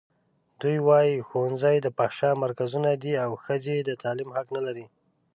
دوی وايي ښوونځي د فحشا مرکزونه دي او ښځې د تعلیم حق نه لري.